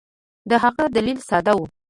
د هغه دلیل ساده وو.